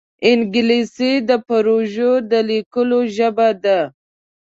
انګلیسي د پروژو د لیکلو ژبه ده